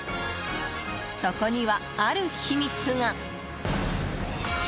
そこには、ある秘密が。